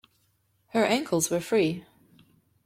Her ankles were free.